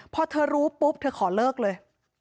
พอเธอรู้ปุ๊บเธอขอเลิกเลย